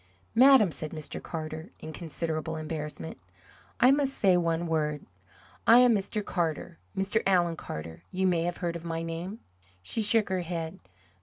"Madam," said Mr. Carter, in considerable embarrassment, "I must say one word. I am Mr. Carter, Mr. Allan Carter. You may have heard my name?" She shook her head.